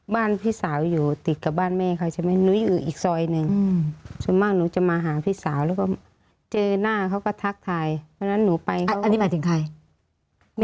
บ้านพี่สาวอยู่ติดกับบ้านแม่เขาจะไม่รู้อึกไซป์นึกส่วนมากนู้นจะมาหาพี่สาวแล้วก็เจน่าเขาก็ทักทายแล้วหนูไปมามีสังคม